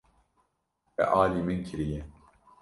Te alî min kiriye.